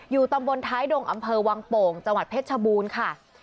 อยู่ตรงบนท้ายดงอำเภอวางโป่งจังหวัดเพชรบูนค่ะ